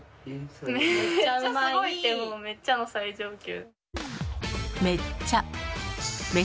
めっちゃの最上級。